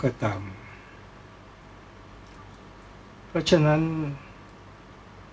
ก็ต้องทำอย่างที่บอกว่าช่องคุณวิชากำลังทำอยู่นั่นนะครับ